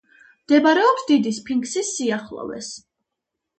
მდებარეობს დიდი სფინქსის სიახლოვეს.